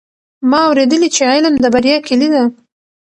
ما اورېدلي چې علم د بریا کیلي ده.